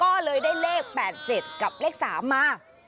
ก็เลยได้เลข๘๗กับเลข๓มา